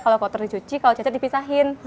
kalau kotor dicuci kalau cacat dipisahin